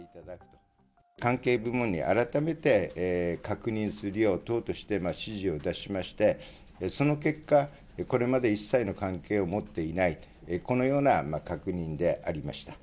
関係部門に改めて確認するよう、党として指示を出しまして、その結果、これまで一切の関係を持っていないと、このような確認でありました。